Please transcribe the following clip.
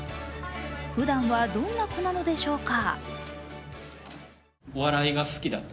ふだんはどんな子なのでしょうか